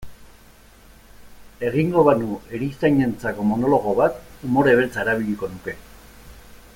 Egingo banu erizainentzako monologo bat, umore beltza erabiliko nuke.